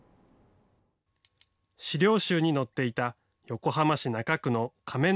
資料集に載っていた横浜市中区の亀之